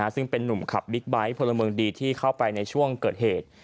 ซึ่งเป็นนุ่มขับบิ๊กไบท์พลเมืองดีที่เข้าไปในช่วงเกิดเหตุ